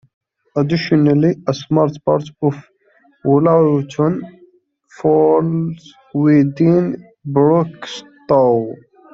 Additionally a small part of Wollaton falls within Broxtowe.